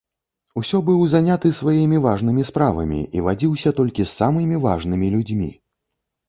Усё быў заняты сваімі важнымі справамі і вадзіўся толькі з самымі важнымі людзьмі.